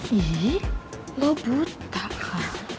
ji lu buta kah